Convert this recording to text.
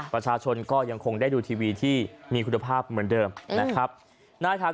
ประชาชนก็ยังคงได้ดูทีวีที่มีคุณภาพเหมือนเดิมนะครับ